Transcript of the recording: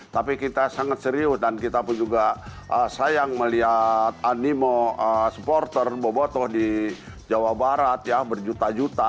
tapi kita sangat serius dan kita pun juga sayang melihat animo supporter bobotoh di jawa barat ya berjuta juta